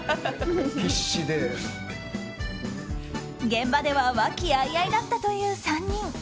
現場では和気あいあいだったという３人。